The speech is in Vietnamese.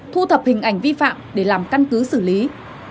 thu thập hình ảnh vi phạm để làm căn cứ xử lý